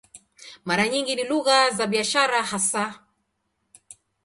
Mara nyingi ni lugha za biashara hasa.